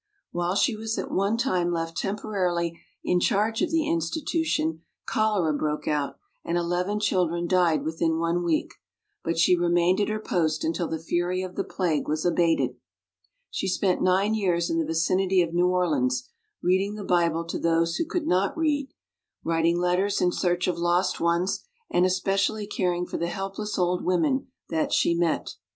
While she was at one time left temporarily in charge of the insti tution cholera broke out, and eleven children died within one week; but she remained at her post until the fury of the plague was abated. She spent nine years in the vicinity of New Orleans, reading the Bible to those who could not read, writing letters in search of lost ones, and especially caring for the helpless old women that she met.